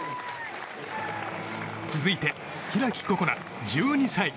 続いて開心那、１２歳。